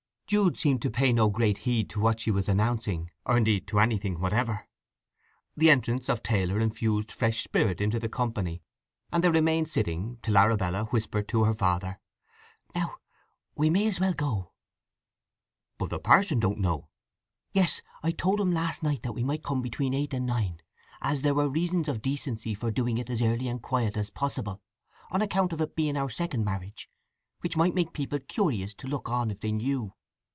Jude seemed to pay no great heed to what she was announcing, or indeed to anything whatever. The entrance of Taylor infused fresh spirit into the company, and they remained sitting, till Arabella whispered to her father: "Now we may as well go." "But the parson don't know?" "Yes, I told him last night that we might come between eight and nine, as there were reasons of decency for doing it as early and quiet as possible; on account of it being our second marriage, which might make people curious to look on if they knew.